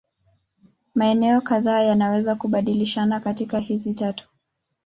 Maeneo kadhaa yanaweza kubadilishana kati hizi tatu.